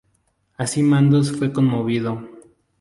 Así Mandos fue conmovido.